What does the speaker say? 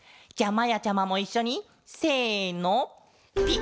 じゃあまやちゃまもいっしょにせの。